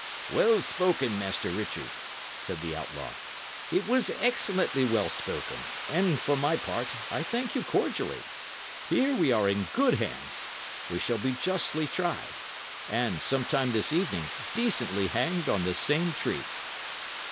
"Well spoken, Master Richard," said the outlaw; "it was excellently well spoken, and, for my part, I thank you cordially. Here we are in good hands; we shall be justly tried, and, some time this evening, decently hanged on the same tree."